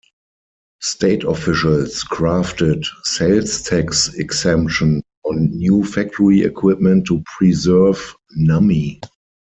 State officials crafted sales tax exemption on new factory equipment to preserve Nummi.